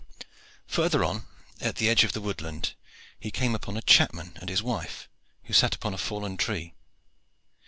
Further on, at the edge of the woodland, he came upon a chapman and his wife, who sat upon a fallen tree.